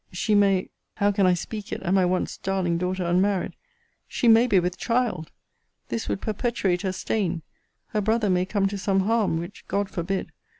She may How can I speak it, and my once darling daughter unmarried? She may be with child! This would perpetuate her stain. Her brother may come to some harm; which God forbid!